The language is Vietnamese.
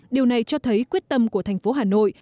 điều này cho thấy quyết tâm của tp hà nội